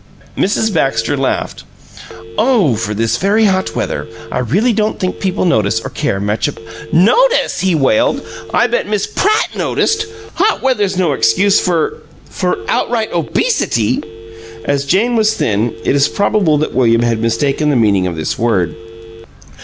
Mrs. Baxter laughed. "Oh, for this very hot weather, I really don't think people notice or care much about " "'Notice'!" he wailed. "I guess Miss PRATT noticed! Hot weather's no excuse for for outright obesity!" (As Jane was thin, it is probable that William had mistaken the meaning of this word.)